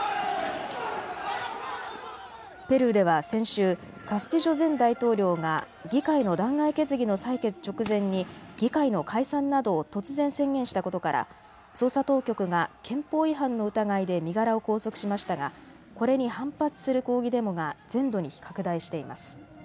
ペルーでは先週、カスティジョ前大統領が議会の弾劾決議の採決直前に議会の解散などを突然、宣言したことから捜査当局が憲法違反の疑いで身柄を拘束しましたが、これに反発する抗議デモが全土に拡大しています。